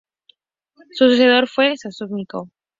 Su sucesor fue Zósimo.